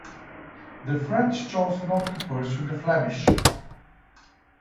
The French chose not to pursue the Flemish.